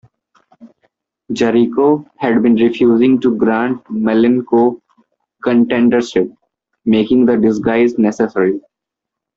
Jericho had been refusing to grant Malenko contendership, making the disguise necessary.